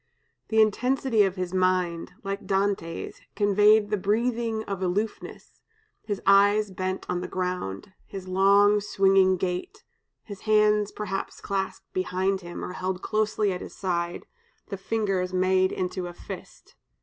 The intensity of his mind, like Dante's, conveyed the breathing of aloofness, his eyes bent on the ground, his long swinging gait, his hands perhaps clasped behind him, or held closely at his side, the fingers made into a fist."